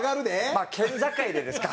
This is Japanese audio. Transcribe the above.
まあ県境でですか？